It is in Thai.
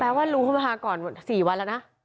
แปลว่ารู้ข้อมูลมาก่อน๔วันแล้วนะ